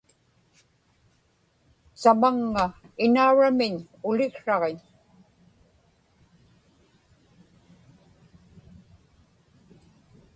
samaŋŋa inauramniñ uliksraġiñ